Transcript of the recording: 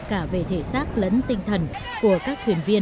cả về thể xác lẫn tinh thần của các thuyền viên